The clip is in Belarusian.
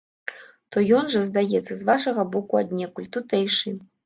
То ён жа, здаецца, з вашага боку аднекуль, тутэйшы.